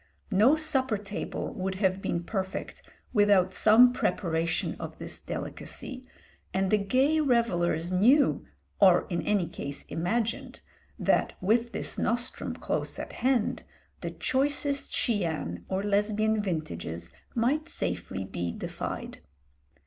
No supper table would have been perfect without some preparation of this delicacy, and the gay revellers knew, or in any case imagined, that with this nostrum close at hand the choicest Chian or Lesbian vintages might safely be defied.